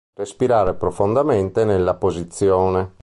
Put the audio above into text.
Respirare profondamente nella posizione.